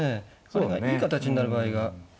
それがいい形になる場合が。